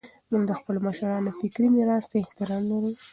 موږ د خپلو مشرانو فکري میراث ته احترام لرو.